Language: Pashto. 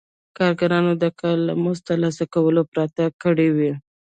کارګرانو دا کار له مزد ترلاسه کولو پرته کړی وي